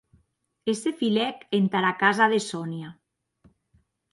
E se filèc entara casa de Sonia.